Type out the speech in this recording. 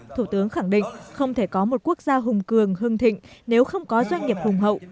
thủ tướng khẳng định không thể có một quốc gia hùng cường hưng thịnh nếu không có doanh nghiệp hùng hậu